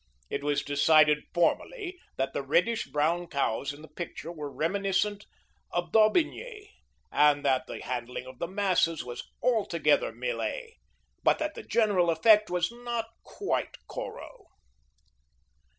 It was decided formally that the reddish brown cows in the picture were reminiscent of Daubigny, and that the handling of the masses was altogether Millet, but that the general effect was not quite Corot.